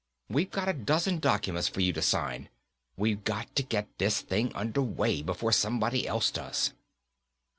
We've got a dozen documents for you to sign. We've got to get this thing underway, before somebody else does."